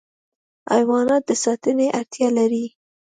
حیوانات د ساتنې اړتیا لري.